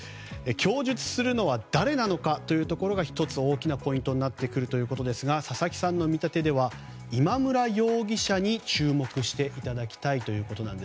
供述するのは誰なのかというのが１つ、大きなポイントになってくるということですが佐々木さんの見立てでは今村容疑者に注目していただきたいということです。